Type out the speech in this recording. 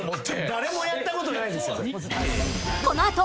誰もやったことないですよ。